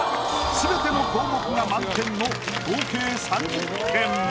すべての項目が満点の合計３０点。